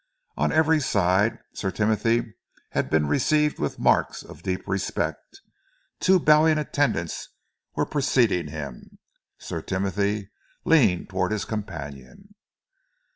On every side Sir Timothy had been received with marks of deep respect. Two bowing attendants were preceding them. Sir Timothy leaned towards his companion.